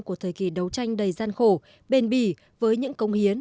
của thời kỳ đấu tranh đầy gian khổ bền bỉ với những công hiến